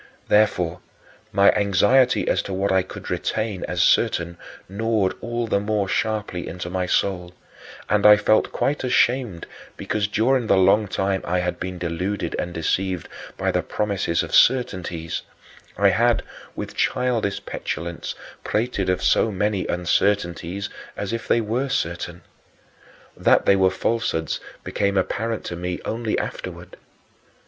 Therefore, my anxiety as to what I could retain as certain gnawed all the more sharply into my soul, and I felt quite ashamed because during the long time I had been deluded and deceived by the [Manichean] promises of certainties, I had, with childish petulance, prated of so many uncertainties as if they were certain. That they were falsehoods became apparent to me only afterward.